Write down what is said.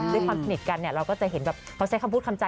ด้วยความสนิทกันเราจะเห็นพอใช้คำพูดคำจาก